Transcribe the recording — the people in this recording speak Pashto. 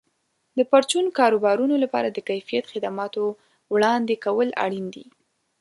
د پرچون کاروبارونو لپاره د کیفیت خدماتو وړاندې کول اړین دي.